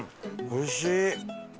おいしい！